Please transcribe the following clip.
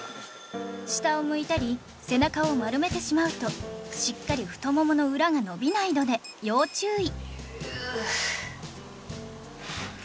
下を向いたり背中を丸めてしまうとしっかり太ももの裏が伸びないので要注意